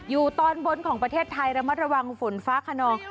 อยู่ตอนบนของประเทศไทยระมัดระวังฝนฟ้าขนอง